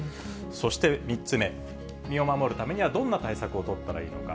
そして３つ目、身を守るためにはどんな対策を取ったらいいのか。